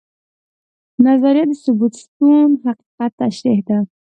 نظریه د ثبوت شوي حقیقت تشریح ده